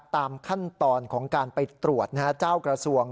ตามขั้นตอนของการไปตรวจเจ้ากระทรวง